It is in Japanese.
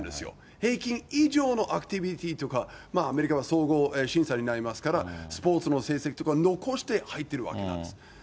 平均以上のアクティビティーとか、アメリカは総合審査になりますから、スポーツの成績とか残して入ってるわけなんです。